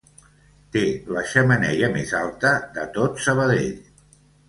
Té la xemeneia més alta de tot Sabadell.